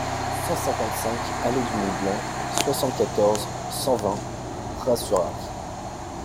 cent cinquante-cinq allée du Mont Blanc, soixante-quatorze, cent vingt, Praz-sur-Arly